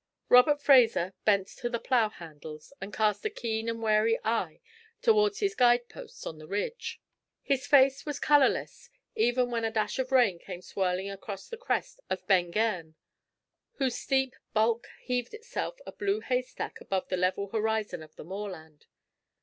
Robert Fraser bent to the plough handles, and cast a keen and wary eye towards his guide posts on the ridge. His face was colourless, even when a dash of rain came swirling across from the crest of Ben Gairn, whose steep bulk heaved itself a blue haystack above the level horizon of the moorland.